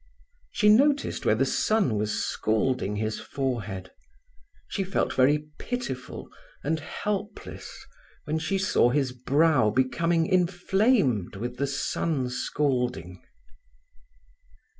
She noticed where the sun was scalding his forehead. She felt very pitiful and helpless when she saw his brow becoming inflamed with the sun scalding.